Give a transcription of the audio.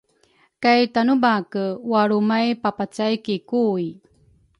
kay Tanebake walrumay papacay ki Kui.